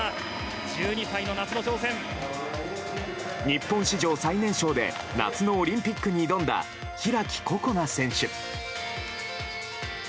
日本史上最年少で夏のオリンピックに挑んだ開心那選手。